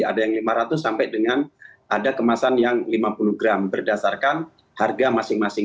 ada yang lima ratus sampai dengan ada kemasan yang lima puluh gram berdasarkan harga masing masing